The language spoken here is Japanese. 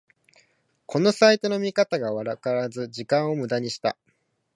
このサイトの見方がわからず時間をムダにした